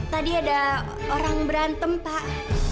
tadi ada orang berantem pak